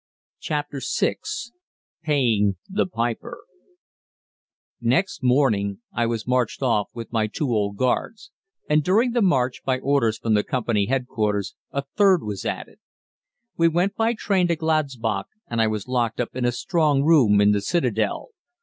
CHAPTER VI PAYING THE PIPER Next morning I was marched off with my two old guards, and during the march, by orders from the Company H.Q., a third was added. We went by train to Gladsbach, and I was locked up in a strong room in the citadel.